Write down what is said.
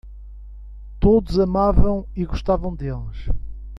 Todos os amavam e gostavam deles.